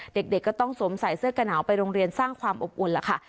เด็กก็ต้องสวมใส่เสื้อกระหนาวไปโรงเรียนสร้างความอบอุ่นล่ะค่ะ